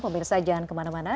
pemirsa jangan kemana mana